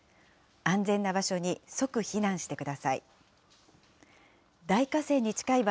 安全な場所に即避難してください。